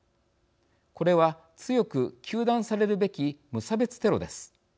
これは強く糾弾されるべき無差別テロです。